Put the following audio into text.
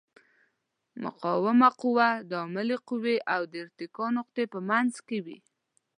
مقاومه قوه د عاملې قوې او د اتکا نقطې په منځ کې وي.